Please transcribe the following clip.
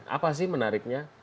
apa sih menariknya